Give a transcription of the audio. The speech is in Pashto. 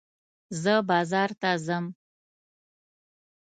زه بازار ته ځم.